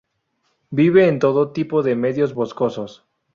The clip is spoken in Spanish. Vive en todo tipo de medios boscosos.